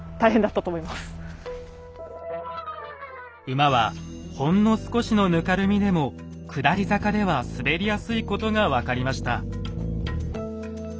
馬はほんの少しのぬかるみでも下り坂では滑りやすいことが分かりました。